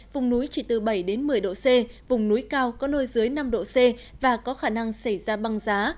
vùng núi chỉ từ bảy một mươi độ c vùng núi cao có nơi dưới năm độ c và có khả năng xảy ra băng giá